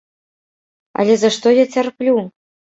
Але за што я цярплю?